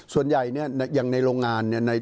ส่วนใหญ่อย่างในโรงงาน